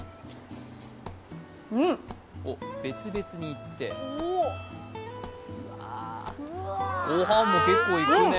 別々にいって、ごはんも結構いくね。